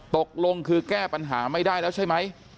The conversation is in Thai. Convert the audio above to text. ตกลงคือแก้ปัญหาไม่ได้แล้วใช่ไหม